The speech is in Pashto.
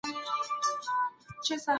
د عاید نورې سرچینې باید ولټول شي.